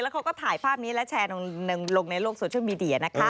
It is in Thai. เขาก็ถ่ายภาพนี้และแชร์ลงในโลกโซเชียลมีเดียนะคะ